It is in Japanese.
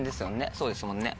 そうですもんね。